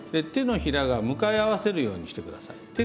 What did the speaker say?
手のひらが向かい合わせるようにして下さい。